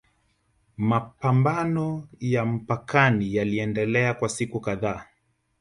Mapambano ya mpakani yaliendelea kwa siku kadhaa